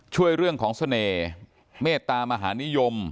ช่วยเรื่องของเสน่ห์เมตตามหานิยม